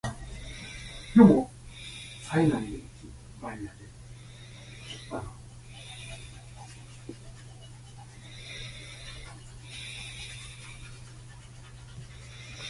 There are several Australian companies manufacturing boots in this classic style today.